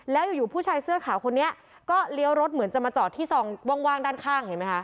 แล้วอยู่ผู้ชายเสื้อขาวคนนี้ก็เลี้ยวรถเหมือนจะมาจอดที่ซองว่างด้านข้างเห็นไหมคะ